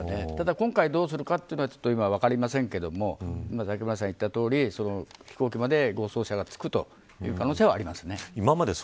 ただ今回どうするかは分かりませんが今、立岩さんが、言ったとおり飛行機まで護送車がつく可能性はあります。